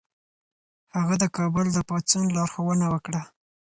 هغه د کابل د پاڅون لارښوونه وکړه.